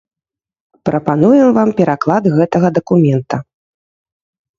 Прапануем вам пераклад гэтага дакумента.